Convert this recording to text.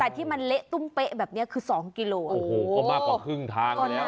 แต่ที่มันเละตุ้มเป๊ะแบบเนี้ยคือสองกิโลโอ้โหก็มากกว่าครึ่งทางแล้ว